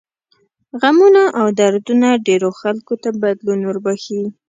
غمونه او دردونه ډېرو خلکو ته بدلون وربښي.